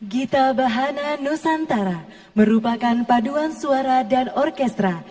gita bahana nusantara merupakan paduan suara dan orkestra